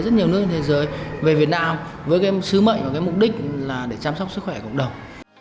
rất nhiều nước trên thế giới về việt nam với cái sứ mệnh và cái mục đích là để chăm sóc sức khỏe cộng đồng